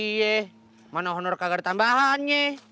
iya mana honor kagak ada tambahannya